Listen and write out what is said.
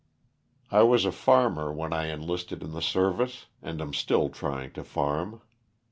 I was a farmer when I enlisted in the service and am still trying to farm.